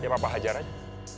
ya papa hajar aja